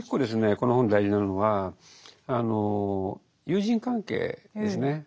この本で大事なのは友人関係ですね。